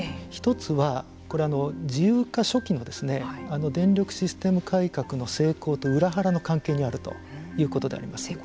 １つは、これ自由化初期の電力システム改革の成功と裏腹の関係にあるということであります。